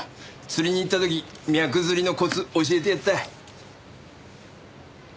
釣りに行った時ミャク釣りのコツ教えてやった。